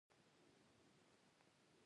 ما ورته وویل: هو، ولې نه، خامخا به راځم.